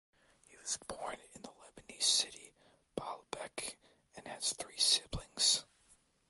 He was born in the Lebanese city Baalbek and has three siblings.